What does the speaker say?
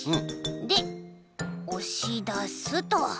でおしだすと。